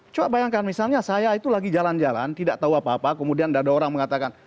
coba bayangkan misalnya saya itu lagi jalan jalan tidak tahu apa apa kemudian ada orang mengatakan